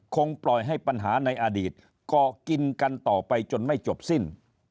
คงปล่อยให้ปัญหาในอดีตก่อกินกันต่อไปจนไม่จบสิ้น